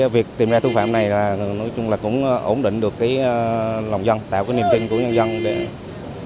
việc tìm ra tội phạm này cũng ổn định được lòng dân tạo niềm tin của nhân dân trong việc phá án